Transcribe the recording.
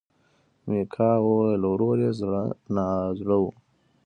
میکا وویل ورور یې زړه نا زړه و.